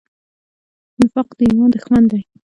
نفاق د ایمان دښمن دی.